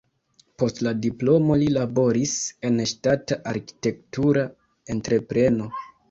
Post la diplomo li laboris en ŝtata arkitektura entrepreno.